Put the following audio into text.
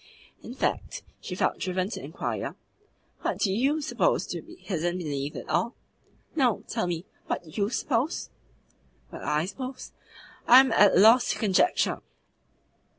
In fact, she felt driven to inquire: "What do YOU suppose to be hidden beneath it all?" "No; tell me what YOU suppose?" "What I suppose? I am at a loss to conjecture."